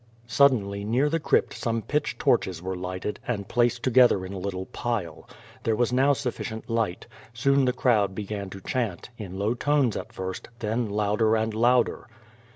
Suddenly near the crypt some pitch torches were lighted, and placed together in a little pile. There was now sufficient light. Soon the crowd began to chant, in low tones at first, then louder and louder.